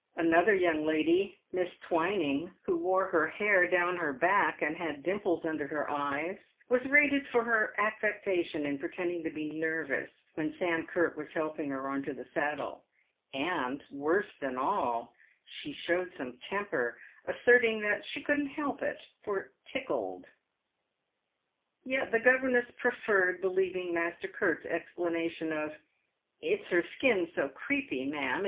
Another young lady — Miss Twining, who wore her hair down her back, and had dimples under her eyes — was rated for her affectation in pretending to be nervous when Sam Curt was helping her on to the saddle ; and, worse than all, she showed some temper, asserting that she couldn't help it, for it tickled. Yet the governess preferred believing Master Curt's explanation of "It's her skin's so creepy, ma'am.